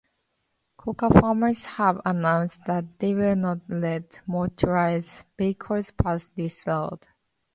Coca farmers have announced that they will not let motorized vehicles pass this road.